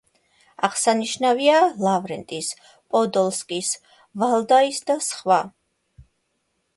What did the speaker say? აღსანიშნავია ლავრენტის, პოდოლსკის, ვალდაის და სხვა.